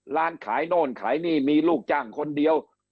ร้านขายโน่นขายนี่มีลูกจ้างคนเดียว